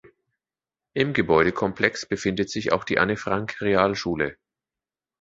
Im Gebäudekomplex befindet sich auch die Anne-Frank-Realschule.